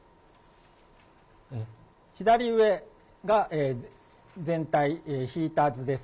左上が全体、引いた図です。